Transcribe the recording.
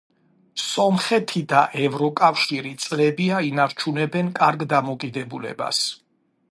სომხეთი და ევროკავშირი წლებია ინარჩუნებს კარგ დამოკიდებულებას.